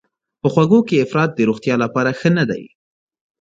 په خوږو کې افراط د روغتیا لپاره ښه نه دی.